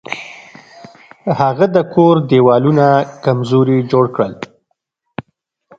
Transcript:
هغه د کور دیوالونه کمزوري جوړ کړل.